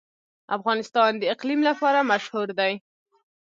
افغانستان د اقلیم لپاره مشهور دی.